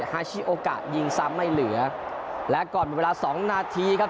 ฮาชิโอกะยิงซ้ำไม่เหลือและก่อนหมดเวลาสองนาทีครับ